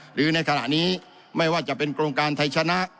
หรือในขณะนี้ไม่ว่าจะเป็นโครงการไทยชนะ